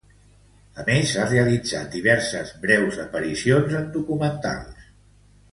A més, ha realitzat diverses breus aparicions en documentals.